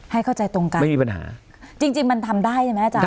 ให้เข้าใจตรงกันไม่มีปัญหาจริงจริงมันทำได้ใช่ไหมอาจาร